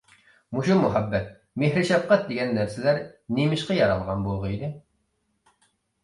مۇشۇ مۇھەببەت، مېھىر-شەپقەت دېگەن نەرسىلەر نېمىشقا يارالغان بولغىيدى.